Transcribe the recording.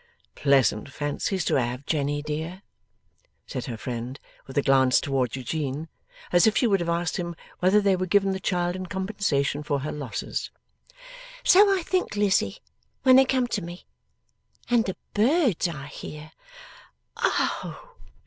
'Pleasant fancies to have, Jenny dear!' said her friend: with a glance towards Eugene as if she would have asked him whether they were given the child in compensation for her losses. 'So I think, Lizzie, when they come to me. And the birds I hear! Oh!